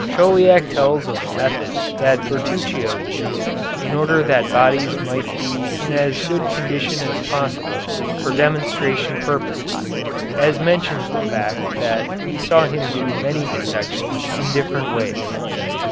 Chauliac tells of the methods that Bertruccio used in order that bodies might be in as good condition as possible for demonstration purposes, and mentions the fact that he saw him do many dissections in different ways.